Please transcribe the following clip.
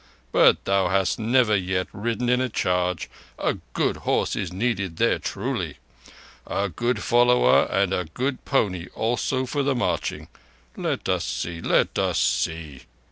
But thou hast never yet ridden in a charge. A good horse is needed there, truly. A good follower and a good pony also for the marching. Let us see—let us see."